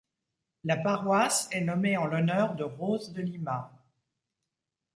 La paroisse est nommée en l'honneur de Rose de Lima.